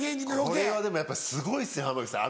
これはでもやっぱすごいですね濱口さん。